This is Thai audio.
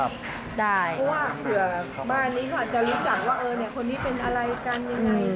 เพราะว่าเผื่อบ้านนี้เขาอาจจะรู้จักว่าคนนี้เป็นอะไรกันยังไง